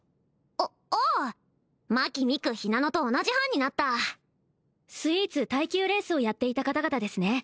あああマキミクひなのと同じ班になったスイーツ耐久レースをやっていた方々ですね